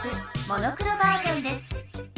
モノクロバージョンです。